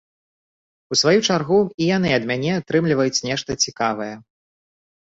У сваю чаргу і яны ад мяне атрымліваюць нешта цікавае.